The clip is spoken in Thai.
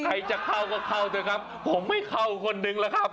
ใครจะเข้าก็เข้าเถอะครับผมไม่เข้าคนนึงแล้วครับ